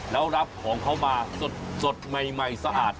แล้วรับของเขามาสดใหม่สะอาด